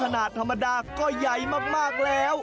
ขนาดธรรมดาก็ใหญ่มากแล้ว